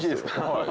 はい！